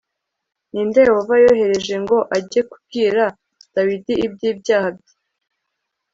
ni nde yehova yohereje ngo ajye kubwira dawidi iby' ibyaha bye